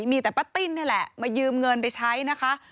มีแต่ป้าติ้นนี่แหละมายืมเงินไปใช้นะคะ